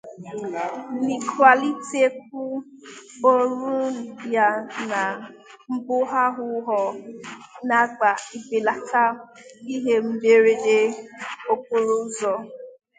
N'ịkwalitekwu ọrụ ya na mbọ ahụ ọ na-agba ibelata ihe mberede okporo ụzọ